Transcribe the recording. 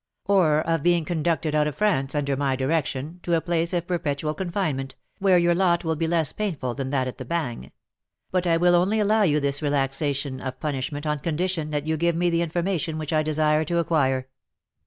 "Or of being conducted out of France, under my direction, to a place of perpetual confinement, where your lot will be less painful than at the Bagne; but I will only allow you this relaxation of punishment on condition that you give me the information which I desire to acquire.